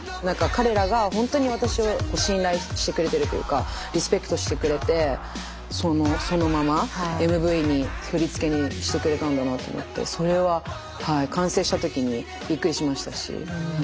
何か彼らがほんとに私を信頼してくれてるというかリスペクトしてくれてそのままＭＶに振り付けにしてくれたんだなと思ってそれは完成した時にびっくりしましたし。